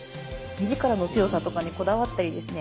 目力の強さとかにこだわったりですね